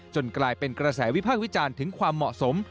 กลายเป็นกระแสวิพากษ์วิจารณ์ถึงความเหมาะสม